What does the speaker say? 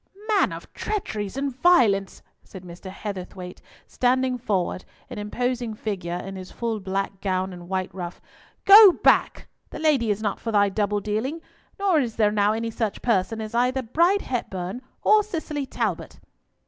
"Man of treacheries and violence," said Mr. Heatherthwayte, standing forward, an imposing figure in his full black gown and white ruff, "go back! The lady is not for thy double dealing, nor is there now any such person as either Bride Hepburn or Cicely Talbot."